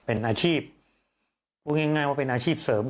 ก็เลยต้องมาไลฟ์ขายของแบบนี้เดี๋ยวดูบรรยากาศกันหน่อยนะคะ